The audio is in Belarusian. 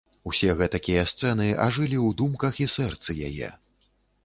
Усе гэтакія сцэны ажылі ў думках і сэрцы яе.